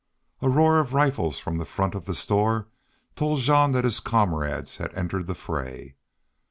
A roar of rifles from the front of the store told Jean that his comrades had entered the fray.